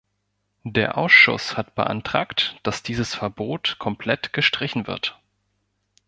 Der Ausschuss hat beantragt, dass dieses Verbot komplett gestrichen wird.